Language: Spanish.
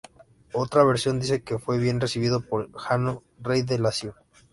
Otra versión dice que fue bien recibido por Jano, rey del Lacio.